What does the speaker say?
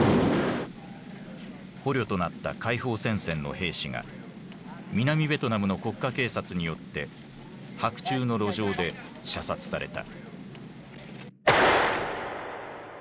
捕虜となった解放戦線の兵士が南ベトナムの国家警察によって白昼の路上で射殺された。